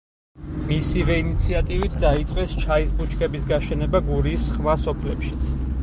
მისივე ინიციატივით დაიწყეს ჩაის ბუჩქის გაშენება გურიის სხვა სოფლებშიც.